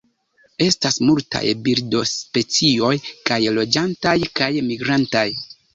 Estas multaj birdospecioj, kaj loĝantaj kaj migrantaj.